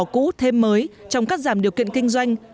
những cái tiêu cực cũ thêm mới trong các giảm điều kiện kinh doanh